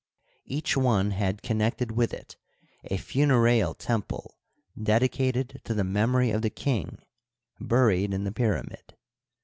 Each one had connected with it a funereal temple dedi cated to the memory of the king buried in the pyramid.